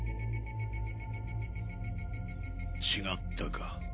違ったか。